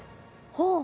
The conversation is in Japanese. ほう。